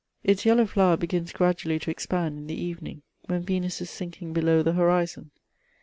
Its yellow flower begins gradually to expand in the evening, when Venus is sinking below the horizon.